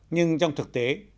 nhưng trong thực tế